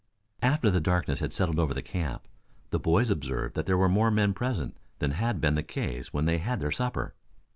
After the darkness had settled over the camp, the boys observed that there were more men present than had been the case when they had their supper.